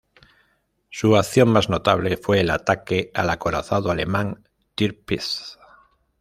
Su acción más notable fue el ataque al acorazado alemán Tirpitz.